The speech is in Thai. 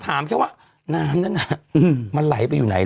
โทษทีน้องโทษทีน้อง